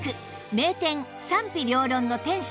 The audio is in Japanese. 名店賛否両論の店主